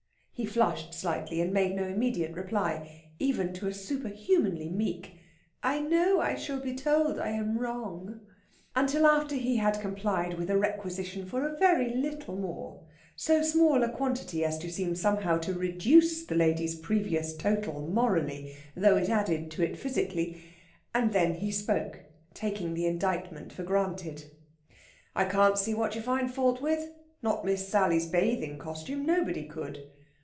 He flushed slightly, and made no immediate reply even to a superhumanly meek, "I know I shall be told I am wrong" until after he had complied with a requisition for a very little more so small a quantity as to seem somehow to reduce the lady's previous total morally, though it added to it physically and then he spoke, taking the indictment for granted: "I can't see what you find fault with. Not Miss Sally's bathing costume; nobody could!"